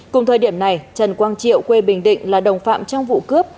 cùng thời điểm này trần quang triệu quê bình định là đồng phạm trong vụ cướp